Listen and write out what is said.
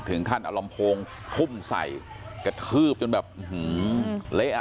ถึงท่านอลอมโพงทุ่มใส่กระทืบจนแบบอือหือเละอ่ะ